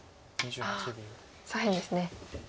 ああ左辺ですね。